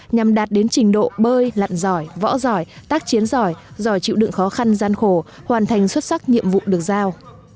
nhằm đạt đến trình độ bơi lặn giỏi võ giỏi tác chiến giỏi giỏi chịu đựng khó khăn gian khổ hoàn thành xuất sắc nhiệm vụ được giao